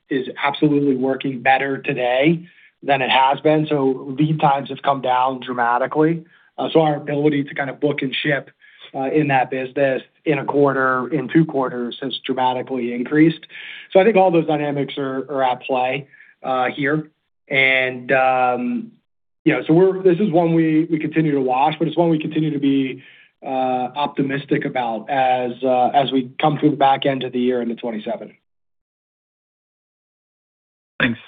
D: is absolutely working better today than it has been, lead times have come down dramatically. Our ability to kind of book and ship in that business in a quarter, in two quarters, has dramatically increased. I think all those dynamics are at play here. This is one we continue to watch, but it's one we continue to be optimistic about as we come through the back end of the year into 2027.
G: Thanks.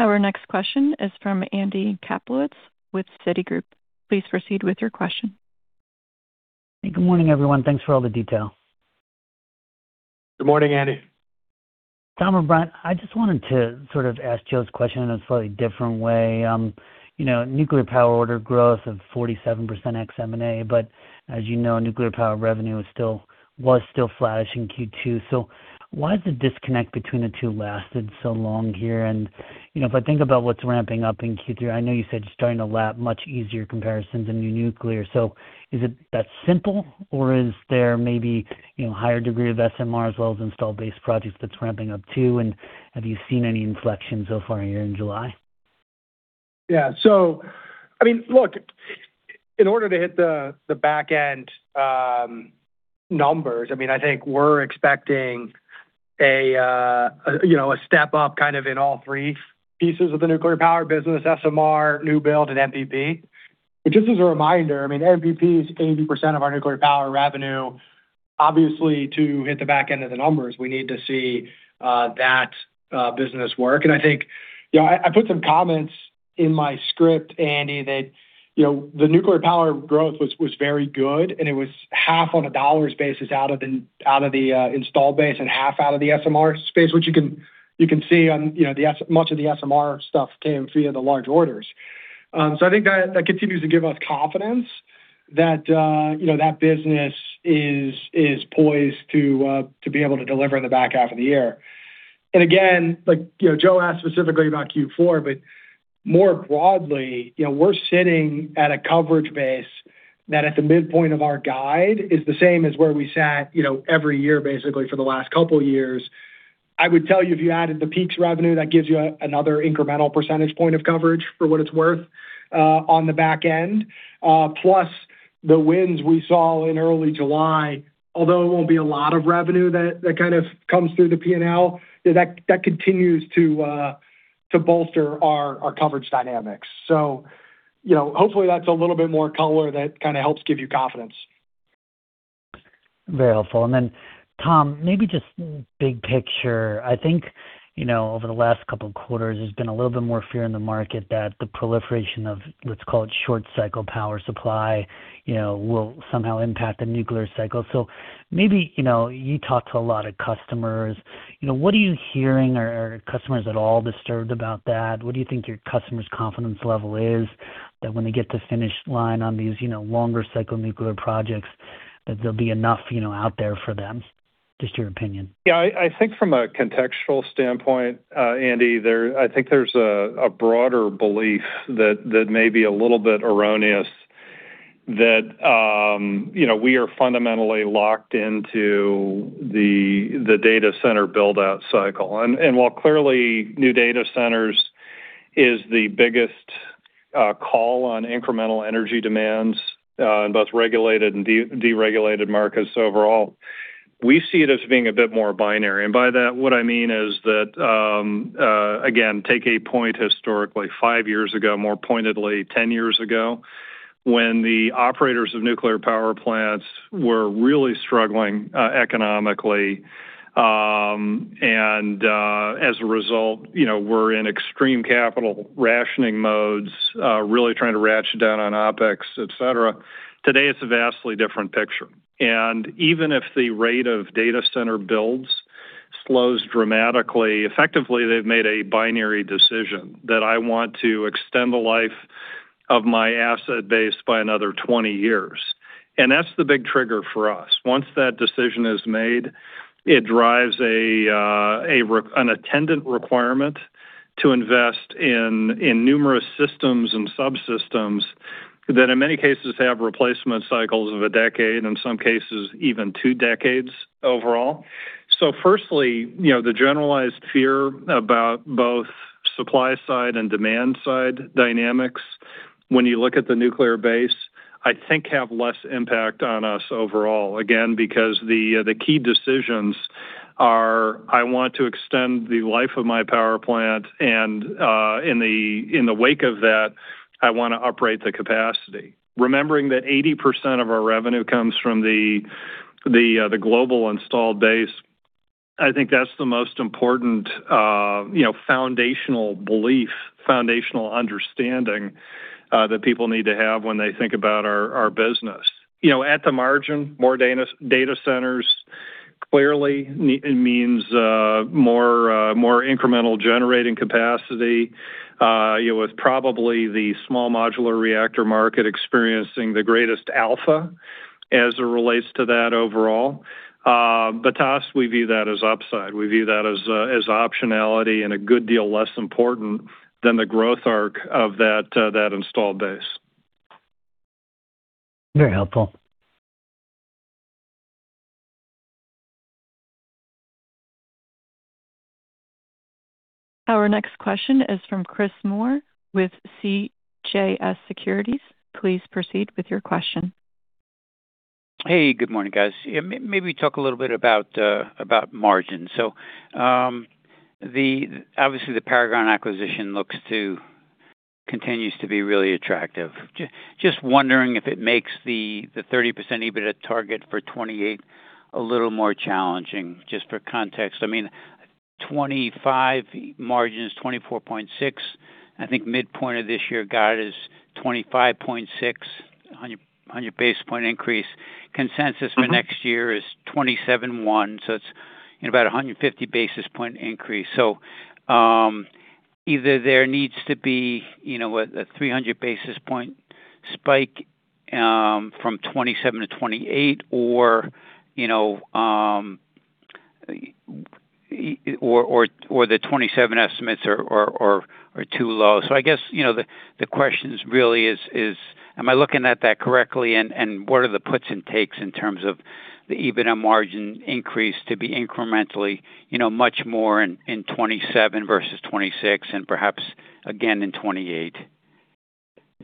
A: Our next question is from Andy Kaplowitz with Citigroup. Please proceed with your question.
H: Good morning, everyone. Thanks for all the detail.
D: Good morning, Andy.
H: Tom or Brian, I just wanted to sort of ask Joe's question in a slightly different way. Nuclear power order growth of 47% ex M&A, but as you know, nuclear power revenue was still flat-ish in Q2. Why has the disconnect between the two lasted so long here? If I think about what's ramping up in Q3, I know you said you're starting to lap much easier comparisons in your nuclear. Is it that simple, or is there maybe higher degree of SMR as well as installed base projects that's ramping up, too? Have you seen any inflection so far here in July?
D: Look, in order to hit the back-end numbers, I think we're expecting a step-up kind of in all three pieces of the nuclear power business, SMR, new build, and NPP. Just as a reminder, NPP is 80% of our nuclear power revenue. Obviously, to hit the back end of the numbers, we need to see that business work. I think I put some comments in my script, Andy, that the nuclear power growth was very good, and it was half on a dollars basis out of the installed base and half out of the SMR space, which you can see much of the SMR stuff came via the large orders. I think that continues to give us confidence that business is poised to be able to deliver in the back half of the year. Again, Joe asked specifically about Q4, more broadly, we're sitting at a coverage base that at the midpoint of our guide is the same as where we sat every year, basically, for the last couple of years. I would tell you, if you added the Paragon's revenue, that gives you another incremental percentage point of coverage for what it's worth on the back end. Plus, the wins we saw in early July, although it won't be a lot of revenue that kind of comes through the P&L, that continues to bolster our coverage dynamics. Hopefully that's a little bit more color that kind of helps give you confidence.
H: Very helpful. Tom, maybe just big picture. I think over the last couple of quarters, there's been a little bit more fear in the market that the proliferation of let's call it short-cycle power supply will somehow impact the nuclear cycle. Maybe, you talk to a lot of customers, what are you hearing? Are customers at all disturbed about that? What do you think your customers' confidence level is that when they get to finish line on these longer cycle nuclear projects, that there'll be enough out there for them? Just your opinion.
C: Yeah. I think from a contextual standpoint, Andy, I think there's a broader belief that may be a little bit erroneous that we are fundamentally locked into the data center build-out cycle. While clearly new data centers is the biggest call on incremental energy demands in both regulated and deregulated markets overall, we see it as being a bit more binary. By that, what I mean is that, again, take a point historically, five years ago, more pointedly 10 years ago, when the operators of nuclear power plants were really struggling economically. As a result, we're in extreme capital rationing modes, really trying to ratchet down on OpEx, et cetera. Today it's a vastly different picture. Even if the rate of data center builds slows dramatically, effectively, they've made a binary decision that I want to extend the life of my asset base by another 20 years. That's the big trigger for us. Once that decision is made, it drives an attendant requirement to invest in numerous systems and subsystems that in many cases have replacement cycles of a decade, In some cases even two decades overall. Firstly, the generalized fear about both supply side and demand side dynamics when you look at the nuclear base, I think have less impact on us overall. Again, because the key decisions are, I want to extend the life of my power plant and in the wake of that, I want to operate the capacity. Remembering that 80% of our revenue comes from the global installed base, I think that's the most important foundational belief, foundational understanding that people need to have when they think about our business. At the margin, more data centers clearly means more incremental generating capacity with probably the small modular reactor market experiencing the greatest alpha as it relates to that overall. To us, we view that as upside. We view that as optionality and a good deal less important than the growth arc of that installed base.
H: Very helpful.
A: Our next question is from Chris Moore with CJS Securities. Please proceed with your question.
I: Hey, good morning, guys. Maybe talk a little bit about margin. Obviously the Paragon acquisition continues to be really attractive. Just wondering if it makes the 30% EBITDA target for 2028 a little more challenging, just for context. I mean, 2025 margin is 24.6%. I think midpoint of this year guide is 25.6% on your basis point increase. Consensus for next year is 27.1%, so it's about 150 basis point increase. Either there needs to be a 300 basis point spike from 2027 to 2028 or the 2027 estimates are too low. I guess, the question really is, am I looking at that correctly? And what are the puts and takes in terms of the EBITDA margin increase to be incrementally much more in 2027 versus 2026 and perhaps again in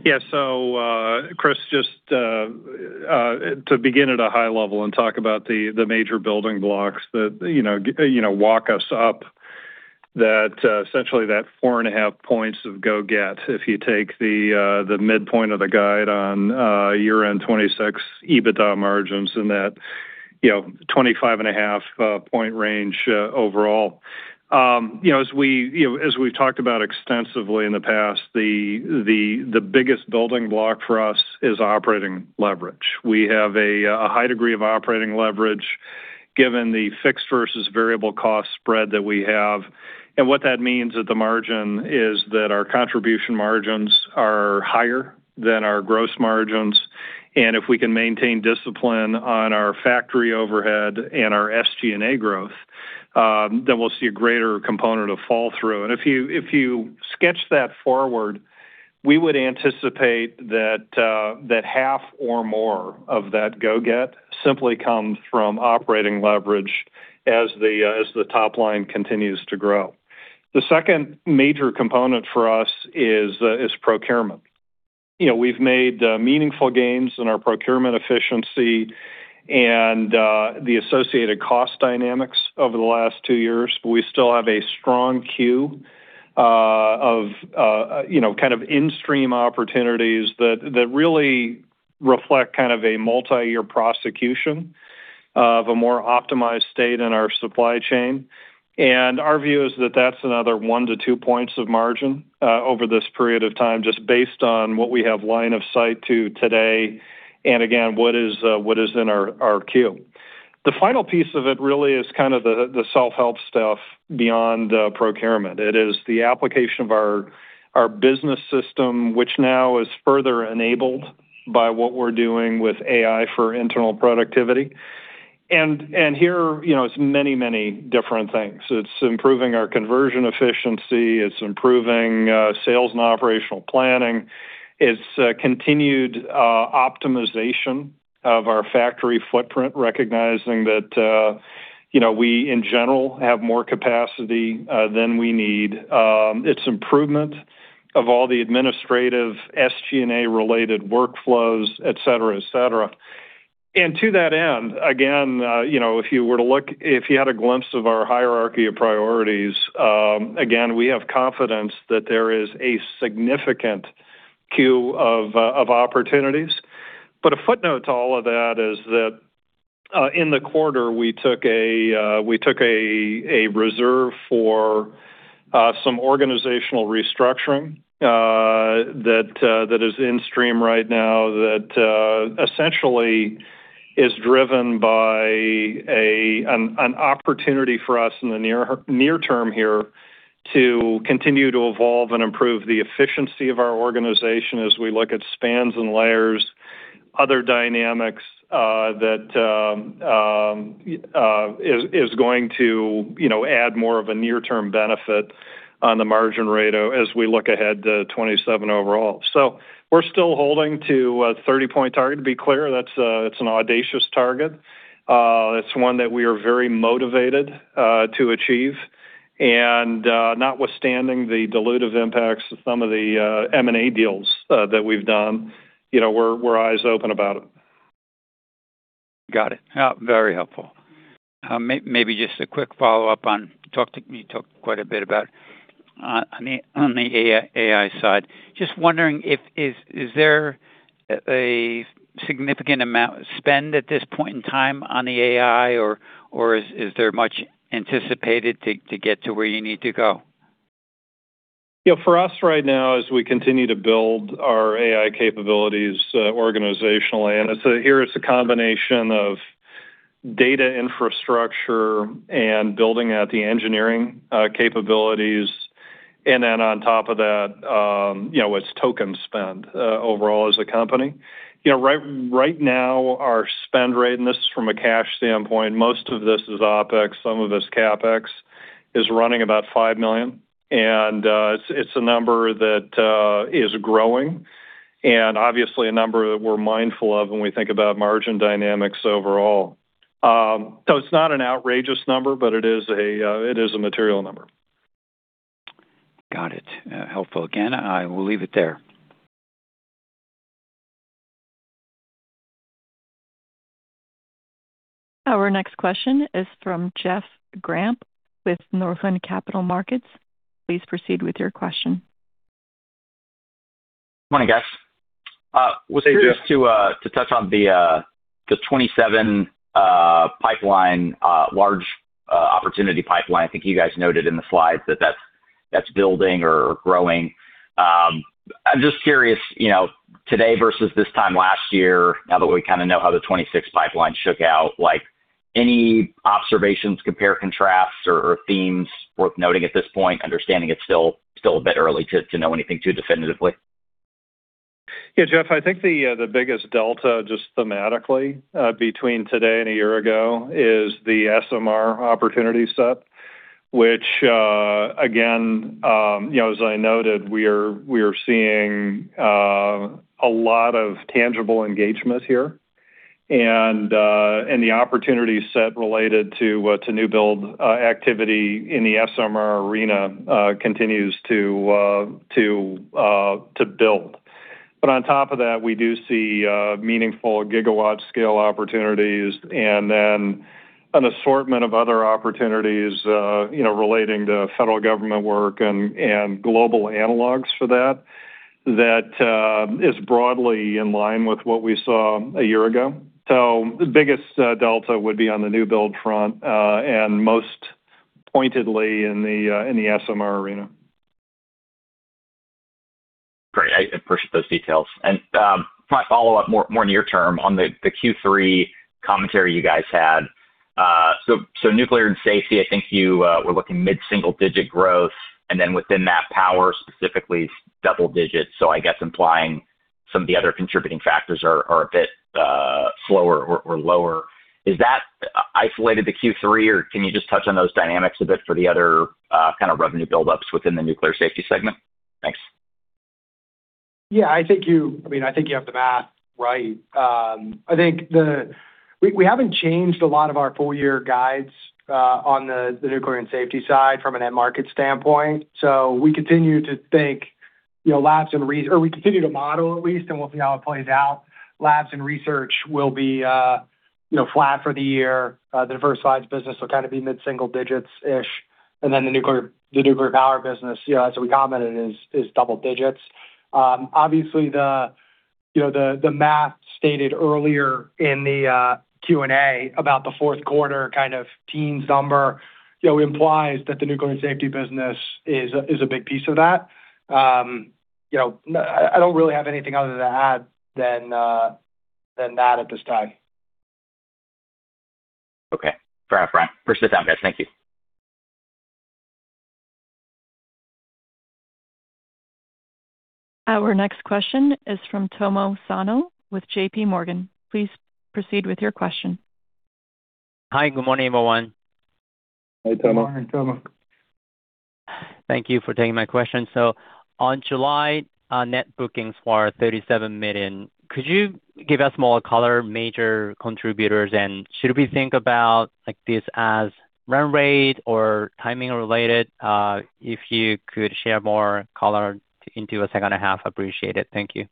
I: 2028?
C: Yeah. Chris, just to begin at a high level and talk about the major building blocks that walk us up that, essentially that 4.5 points of go get, if you take the midpoint of the guide on year-end 2026 EBITDA margins and that 25.5 point range overall. As we've talked about extensively in the past, the biggest building block for us is operating leverage. We have a high degree of operating leverage given the fixed versus variable cost spread that we have. What that means at the margin is that our contribution margins are higher than our gross margins, and if we can maintain discipline on our factory overhead and our SG&A growth, we'll see a greater component of fall through. If you sketch that forward, we would anticipate that half or more of that go get simply comes from operating leverage as the top line continues to grow. The second major component for us is procurement. We've made meaningful gains in our procurement efficiency and the associated cost dynamics over the last two years, but we still have a strong queue of in-stream opportunities that really reflect kind of a multi-year prosecution of a more optimized state in our supply chain. Our view is that that's another one to two points of margin over this period of time, just based on what we have line of sight to today and again, what is in our queue. The final piece of it really is kind of the self-help stuff beyond procurement. It is the application of our business system, which now is further enabled by what we're doing with AI for internal productivity. Here, it's many, many different things. It's improving our conversion efficiency, it's improving sales and operational planning. It's continued optimization of our factory footprint, recognizing that we, in general, have more capacity than we need. It's improvement of all the administrative SG&A related workflows, et cetera. To that end, again, if you had a glimpse of our hierarchy of priorities, again, we have confidence that there is a significant queue of opportunities. A footnote to all of that is that in the quarter we took a reserve for some organizational restructuring that is in stream right now that essentially is driven by an opportunity for us in the near term here to continue to evolve and improve the efficiency of our organization as we look at spans and layers, other dynamics that is going to add more of a near-term benefit on the margin rate as we look ahead to 2027 overall. We're still holding to a 30-point target. To be clear, that's an audacious target. It's one that we are very motivated to achieve. Notwithstanding the dilutive impacts of some of the M&A deals that we've done, we're eyes open about it.
I: Got it. Very helpful. Maybe just a quick follow-up on, you talked quite a bit about on the AI side. Just wondering, is there a significant amount spend at this point in time on the AI or is there much anticipated to get to where you need to go?
C: For us right now, as we continue to build our AI capabilities organizationally, and here it's a combination of data infrastructure and building out the engineering capabilities, and then on top of that, it's token spend overall as a company. Right now our spend rate, and this is from a cash standpoint, most of this is OpEx, some of this CapEx, is running about $5 million. It's a number that is growing and obviously a number that we're mindful of when we think about margin dynamics overall. It's not an outrageous number, but it is a material number.
I: Got it. Helpful. Again, I will leave it there.
A: Our next question is from Jeff Grampp with Northland Capital Markets. Please proceed with your question.
J: Morning, guys.
C: Hey, Jeff.
J: Was curious to touch on the 2027 pipeline, large opportunity pipeline. I think you guys noted in the slides that that's building or growing. I'm just curious, today versus this time last year, now that we kind of know how the 2026 pipeline shook out, any observations, compare and contrasts or themes worth noting at this point? Understanding it's still a bit early to know anything too definitively.
C: Yeah, Jeff, I think the biggest delta just thematically between today and a year ago is the SMR opportunity set, which again, as I noted, we are seeing a lot of tangible engagement here. The opportunity set related to new build activity in the SMR arena continues to build. On top of that, we do see meaningful gigawatt scale opportunities and then an assortment of other opportunities relating to federal government work and global analogs for that is broadly in line with what we saw a year ago. The biggest delta would be on the new build front, and most pointedly in the SMR arena.
J: Great. I appreciate those details. My follow-up, more near term on the Q3 commentary you guys had. Nuclear and Safety, I think you were looking mid-single-digit growth, and then within that power, specifically double-digits. I guess implying some of the other contributing factors are a bit slower or lower. Is that isolated to Q3, or can you just touch on those dynamics a bit for the other kind of revenue buildups within the Nuclear Safety segment? Thanks.
D: Yeah, I think you have the math right. I think we haven't changed a lot of our full year guides on the Nuclear and Safety side from an end market standpoint. We continue to think labs or we continue to model at least, and we'll see how it plays out. Labs and research will be flat for the year. The diversified business will kind of be mid-single digits-ish. The nuclear power business, as we commented, is double digits. Obviously the math stated earlier in the Q&A about the fourth quarter kind of teens number implies that the Nuclear and Safety Business is a big piece of that. I don't really have anything other to add than that at this time.
J: Okay. Fair enough, Brian. Appreciate the time, guys. Thank you.
A: Our next question is from Tomo Sano with JPMorgan. Please proceed with your question.
K: Hi. Good morning, everyone.
C: Hi, Tomo.
D: Good morning, Tomo.
K: Thank you for taking my question. On July net bookings were $37 million. Could you give us more color, major contributors? Should we think about this as run rate or timing related? If you could share more color into the second half, appreciate it. Thank you.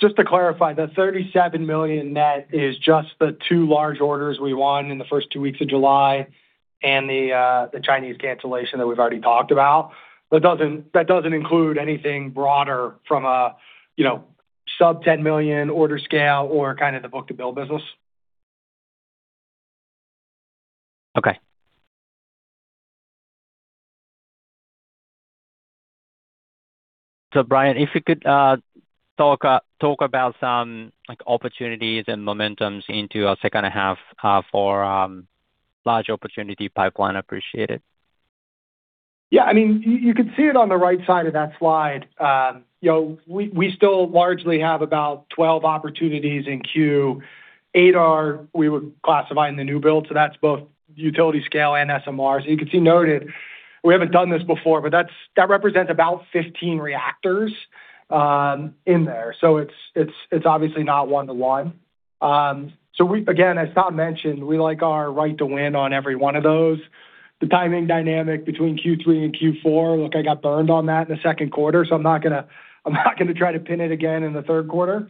D: Just to clarify, the $37 million net is just the two large orders we won in the first two weeks of July and the Chinese cancellation that we've already talked about. That doesn't include anything broader from a sub-10 million order scale or kind of the book-to-bill business.
K: Okay. Brian, if you could talk about some opportunities and momentums into our second half for large opportunity pipeline, appreciate it.
D: You could see it on the right side of that slide. We still largely have about 12 opportunities in Q. Eight are, we would classify in the new build, so that's both utility scale and SMR. You can see noted, we haven't done this before, but that represents about 15 reactors in there. It's obviously not one-to-one. Again, as Tom mentioned, we like our right to win on every one of those. The timing dynamic between Q3 and Q4, look, I got burned on that in the second quarter, so I'm not going to try to pin it again in the third quarter.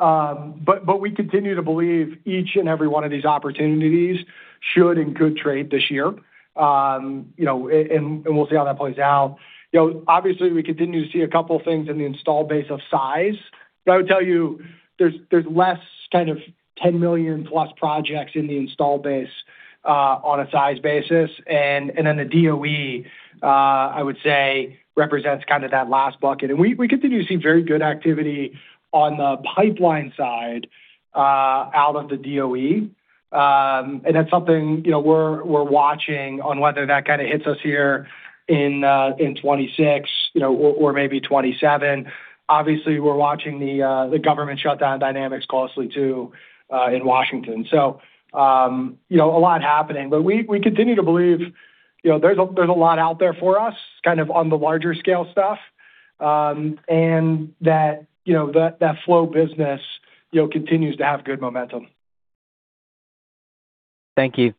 D: We continue to believe each and every one of these opportunities should and could trade this year. We'll see how that plays out. Obviously, we continue to see a couple things in the install base of size. I would tell you, there's less $10 million-plus projects in the install base on a size basis. The DOE, I would say, represents kind of that last bucket. We continue to see very good activity on the pipeline side out of the DOE. That's something we're watching on whether that kind of hits us here in 2026 or maybe 2027. Obviously, we're watching the government shutdown dynamics closely too in Washington. A lot happening. We continue to believe there's a lot out there for us, kind of on the larger scale stuff. That flow business continues to have good momentum.
K: Thank you.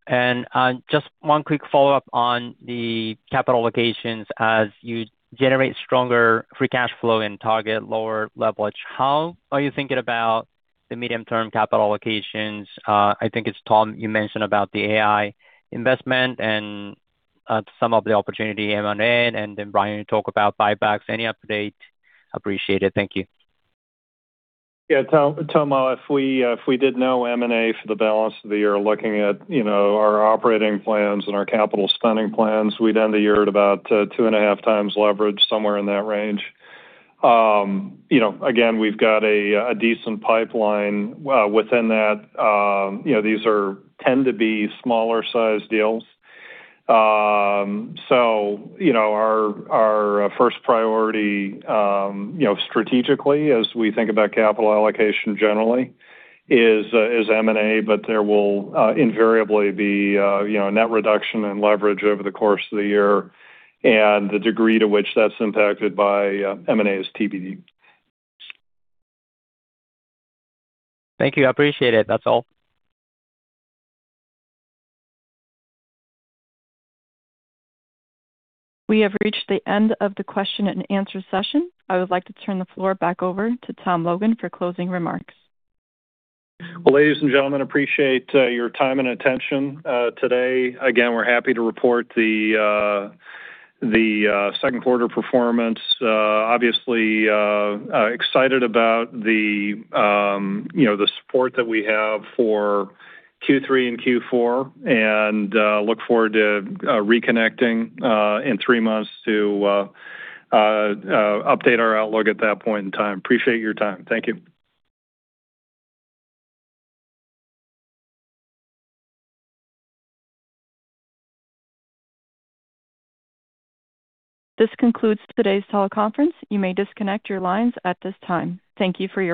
K: Just one quick follow-up on the capital allocations. As you generate stronger free cash flow and target lower leverage, how are you thinking about the medium-term capital allocations? I think it's Tom, you mentioned about the AI investment and some of the opportunity M&A. Brian, you talked about buybacks. Any update? Appreciate it. Thank you.
C: Tomo, if we did no M&A for the balance of the year, looking at our operating plans and our capital spending plans, we'd end the year at about two and a half times leverage, somewhere in that range. Again, we've got a decent pipeline within that. These tend to be smaller-sized deals. Our first priority strategically, as we think about capital allocation generally, is M&A, but there will invariably be a net reduction in leverage over the course of the year, and the degree to which that's impacted by M&A is TBD.
K: Thank you. I appreciate it. That's all.
A: We have reached the end of the question and answer session. I would like to turn the floor back over to Tom Logan for closing remarks.
C: Ladies and gentlemen, appreciate your time and attention today. Again, we're happy to report the second quarter performance. Obviously, excited about the support that we have for Q3 and Q4, and look forward to reconnecting in three months to update our outlook at that point in time. Appreciate your time. Thank you.
A: This concludes today's call conference. You may disconnect your lines at this time. Thank you for your participation.